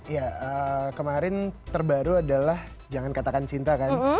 ya kemarin terbaru adalah jangan katakan cinta kan